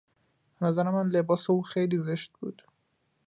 به نظر من لباس او خیلی زشت بود.